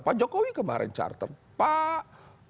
pak jokowi kemarin charter pak